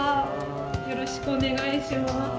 よろしくお願いします。